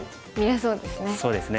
そうですね。